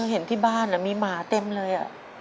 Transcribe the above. เห็นที่บ้านมีหมาเต็มเลย